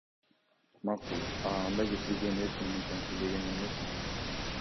Макул, а анда кесилген эт менен самса дегени эмнеси?